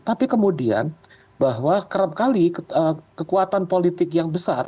tapi kemudian bahwa kerap kali kekuatan politik yang besar